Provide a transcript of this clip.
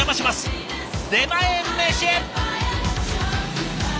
「出前メシ」！